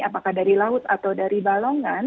apakah dari laut atau dari balongan